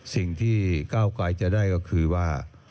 สิ่งที่ก้าวไกลจะได้ก็คือว่า